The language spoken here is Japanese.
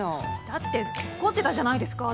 だって怒ってたじゃないですか